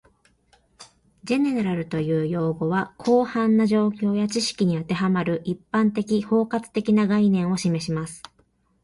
"General" という用語は、広範な状況や知識に当てはまる、一般的・包括的な概念を示します